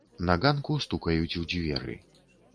На ганку стукаюць у дзверы.